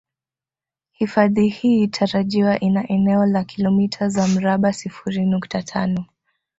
Hifadhi hii tarajiwa ina eneo la kilomita za mraba sifuri nukta tano